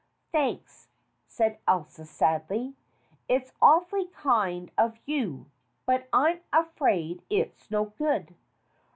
"Thanks," said Elsa sadly, "it's awfully kind of you, but I'm afraid it's no good.